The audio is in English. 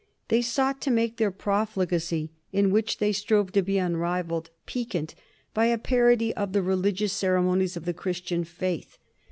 They sought to make their profligacy, in which they strove to be unrivalled, piquant by a parody of the religious ceremonies of the Christian faith.